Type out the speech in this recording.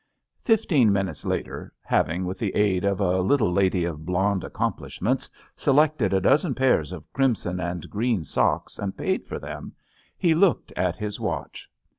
Fifteen minutes later, having, with the aid of a little lady of blonde accomplishments, selected a dozen pairs of crimson and green socks and paid for them, he looked at his watch.